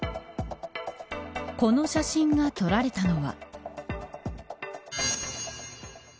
この写真が撮られたのは。